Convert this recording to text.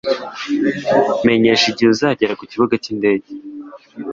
Menyesha igihe uzagera kukibuga cyindege.